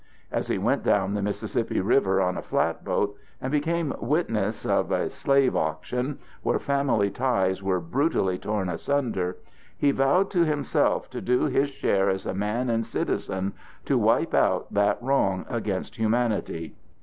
As he went down the Mississippi river on a flatboat and became witness of a slave auction, where family ties were brutally torn asunder, he vowed to himself to do his share as a man and citizen to wipe out that wrong against humanity.